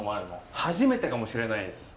初めてかもしれないです。